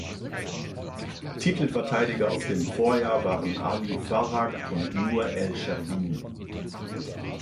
Titelverteidiger aus dem Vorjahr waren Ali Farag und Nour El Sherbini.